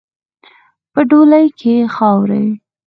په ډولۍ کې خاروئ.